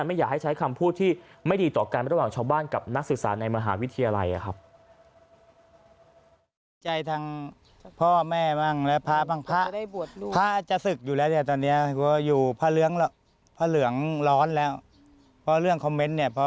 ไม่อยากให้ใช้คำพูดที่ไม่ดีต่อกันระหว่างชาวบ้านกับนักศึกษาในมหาวิทยาลัยครับ